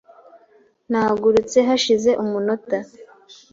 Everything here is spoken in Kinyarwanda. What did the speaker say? Nahagurutse hashize umunota .